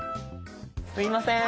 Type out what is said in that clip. すいません。